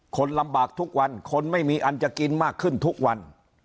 คนลำบากทุกวันคนไม่มีอันจะกินมากขึ้นทุกวัน